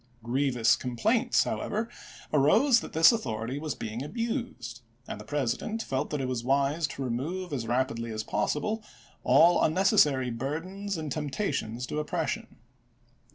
Grievous complaints, however, arose that this au thority was being abused; and the President felt that it was wise to remove as rapidly as possible all unnecessary burdens and temptations to oppres sion.